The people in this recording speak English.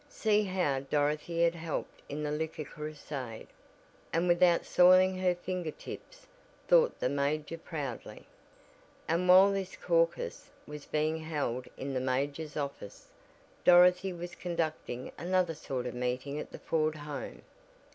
See how Dorothy had helped in the liquor crusade. And without "soiling her finger tips," thought the major, proudly. And while this caucus was being held in the major's office, Dorothy was conducting another sort of meeting at the Ford home.